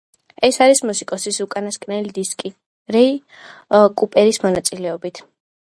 ეს არის მუსიკოსის უკანასკნელი დისკი რეი კუპერის მონაწილეობით.